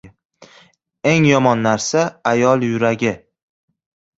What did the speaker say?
• Eng yomon narsa — ayol yuragi.